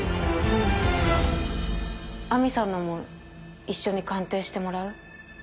亜美さんのも一緒に鑑定してもらう？